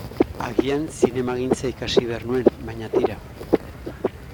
Agian zinemagintza ikasi behar nuen, baina tira.